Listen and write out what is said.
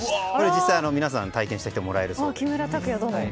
実際、皆さん体験した人はもらえるそうです。